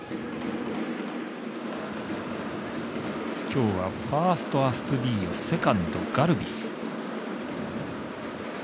今日はファースト、アストゥディーヨセカンド、ガルビス。